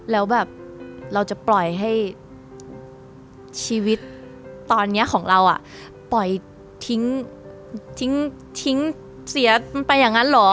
แล้วแบบเราจะปล่อยให้ชีวิตตอนนี้ของเราปล่อยทิ้งเสียมันไปอย่างนั้นเหรอ